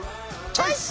チョイス！